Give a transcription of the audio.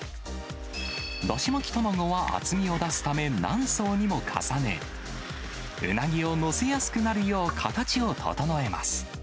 だし巻き卵は厚みを出すため、何層にも重ね、ウナギを載せやすくなるよう形を整えます。